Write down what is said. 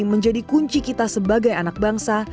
menjadi kunci kita sebagai anak bangsa